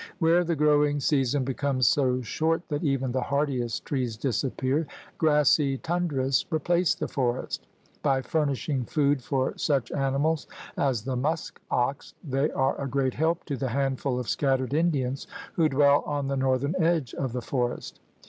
Where the growing season becomes so short that even the hardiest trees disappear, grassy tundras replace the forest. By furnishing food for such animals as the musk ox, they are a great help to the handful of scattered Indians who dwell on the northern edge of the forest.